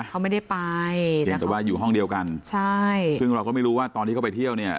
เขาไม่ได้ไปเพียงแต่ว่าอยู่ห้องเดียวกันใช่ซึ่งเราก็ไม่รู้ว่าตอนที่เขาไปเที่ยวเนี่ย